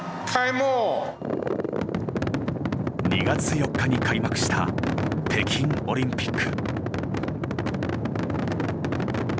２月４日に開幕した北京オリンピック。